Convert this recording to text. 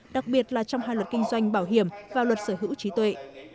đặc biệt là trong hai luật kinh doanh bảo hiểm và luật sở hữu trí tuệ